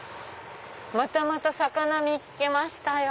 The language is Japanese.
またまた魚見っけましたよ。